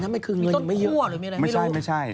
มีต้นคั่วหรือมีอะไรไม่รู้